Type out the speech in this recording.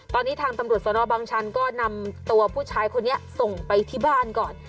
ตอนนี้ทางตำรวจสนบังชันก็นำตัวผู้ชายคนนี้ส่งไปที่บ้านก่อน